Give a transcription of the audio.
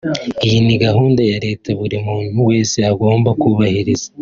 Iyi ni gahunda ya Leta buri muntu wese agomba kubahiriza